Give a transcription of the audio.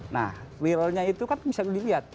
nah wiralnya itu kan bisa dilihat